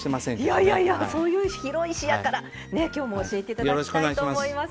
いやいやいやそういう広い視野から今日も教えて頂きたいと思います。